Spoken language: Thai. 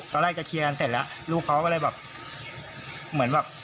ตอนแรกจะเคียงกันเสร็จแล้วลูกภาพก็จะถามพ่อมึงว่า